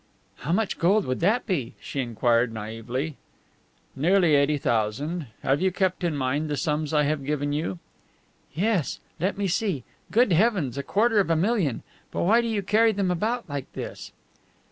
"How much gold would that be?" she inquired, naïvely. "Nearly eighty thousand. Have you kept in mind the sums I have given you?" "Yes. Let me see good heavens, a quarter of a million! But why do you carry them about like this?"